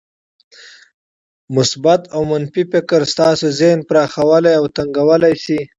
مثبت او منفي فکر ستاسې ذهن پراخولای او تنګولای شي.